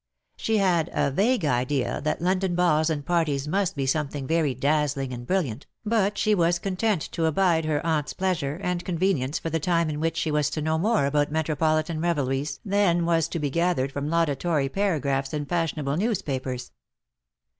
She had a vague idea that London balls and parties must be something very dazzling and brilliant, but she was content to abide her aunt's pleasure and convenience for the time in which she was to know more about metropolitan revelries than was to be gathered from laudatory paragraphs in fashionable newspapers.